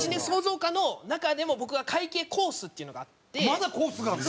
まだコースがあるの？